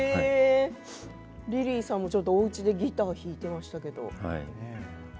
リリーさんも、おうちでギターを弾いていましたけれども。